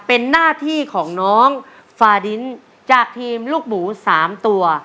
เป็นหน้าที่ของน้องฟาดินจากทีมลูกหมู๓ตัว